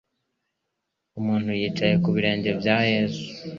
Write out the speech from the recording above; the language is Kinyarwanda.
Umuntu wicaye ku birenge bya Yesu,